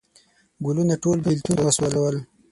ګلونه ټول بیلتون وسوزل